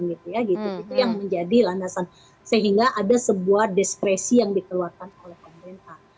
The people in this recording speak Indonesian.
itu yang menjadi landasan sehingga ada sebuah diskresi yang dikeluarkan oleh pemerintah